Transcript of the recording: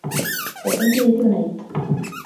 Doedd dim byd i'w wneud.